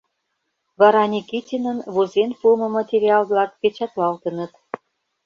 Вара Никитинын возен пуымо материал-влак печатлалтыныт...